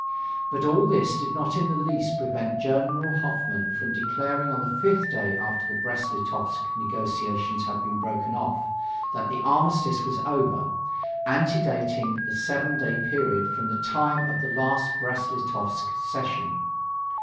But all this did not in the least prevent General Hoffmann from declaring on the fifth day after the Brest Litovsk negotiations had been broken off that the armistice was over, antedating the seven day period from the time of the last Brest Litovsk session.